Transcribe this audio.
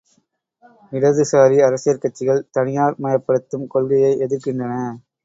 இடது சாரி அரசியற் கட்சிகள் தனியார்மயப் படுத்தும் கொள்கையை எதிர்க்கின்றன.